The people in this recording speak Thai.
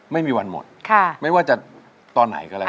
ไม่มีวันหมดไม่ว่าจะตอนไหนก็แล้ว